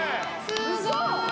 すごい！